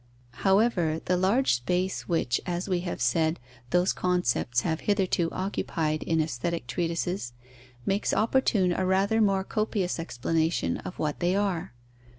_ However, the large space which, as we have said, those concepts have hitherto occupied in aesthetic treatises makes opportune a rather more copious explanation of what they are.